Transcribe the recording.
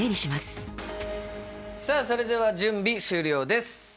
さあそれでは準備終了です。